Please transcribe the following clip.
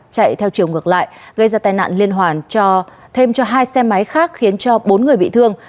chạy theo chiều ngược lại gây ra tai nạn liên hoàn thêm cho hai xe máy khác khiến cho bốn người bị thương